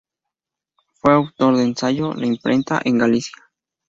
Fue autor del ensayo "La imprenta en Galicia.